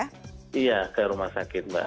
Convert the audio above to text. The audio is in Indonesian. iya ke rumah sakit mbak